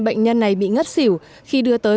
bệnh nhân này bị ngất xỉu khi đưa tới